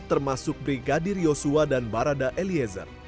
termasuk brigadir yosua dan barada eliezer